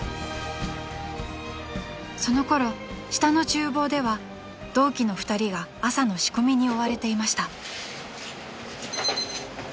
［そのころ下の厨房では同期の２人が朝の仕込みに追われていました］